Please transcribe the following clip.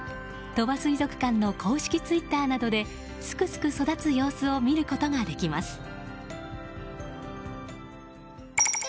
鳥羽水族館の公式ツイッターなどですくすく育つ様子を見ることができます。